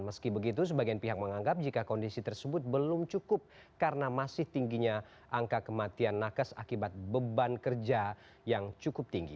meski begitu sebagian pihak menganggap jika kondisi tersebut belum cukup karena masih tingginya angka kematian nakes akibat beban kerja yang cukup tinggi